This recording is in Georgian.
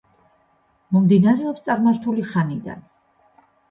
მომდინარეობს წარმართული ხანიდან.